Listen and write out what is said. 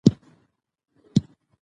تاسو د تاریخ پاڼې په دقت سره ولولئ.